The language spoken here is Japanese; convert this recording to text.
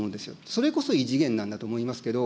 それこそ異次元なんだと思いますけど。